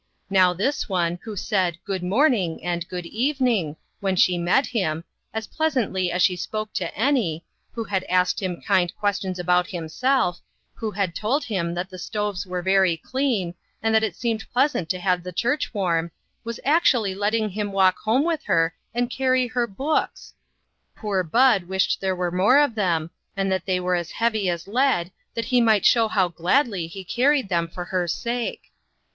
Now this one, who said u Good morning !" and " Good evening !" when she met him, as pleasantly as she spoke to any, who had asked him kind 232 INTERRUPTED. questions about himself, who had told him that the stoves were very clean, and that it seemed pleasant to have the church warm, was actually letting him walk home with her and carry her books ! Poor Bud wished there were more of them, and that they were as heavy as lead, that he might show how gladly he carried them for her sake.